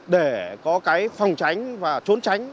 để có cái phòng tránh và chống đẩy